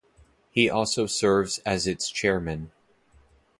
He also serves as its Chairman.